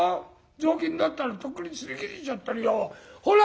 雑巾だったらとっくにすり切れちゃってるよ。ほら！」。